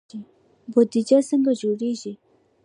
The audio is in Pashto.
بودجه څنګه جوړیږي؟